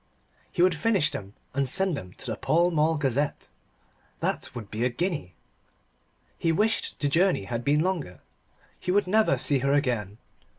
He would finish them and send them to the Pall Mall Gazette. That would be a guinea. He wished the journey had been longer. He would never see her again.